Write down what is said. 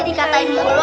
dikatain gua dulu